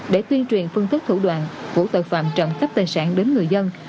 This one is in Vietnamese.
để tuyên truyền phân tích thủ đoàn vụ tội phạm trộm cắp tài sản đến người dân